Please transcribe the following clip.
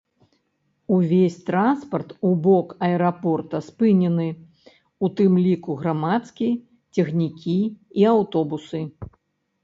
Увесь транспарт у бок аэрапорта спынены, у тым ліку грамадскі, цягнікі і аўтобусы.